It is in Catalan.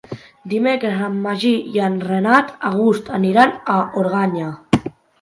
Dimecres en Magí i en Renat August aniran a Organyà.